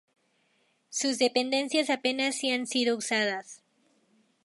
Sus dependencias apenas si han sido usadas.